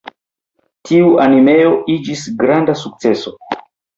Tiu animeo iĝis granda sukceso.